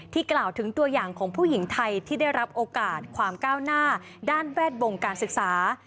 กล่าวถึงตัวอย่างของผู้หญิงไทยที่ได้รับโอกาสความก้าวหน้าด้านแวดวงการศึกษา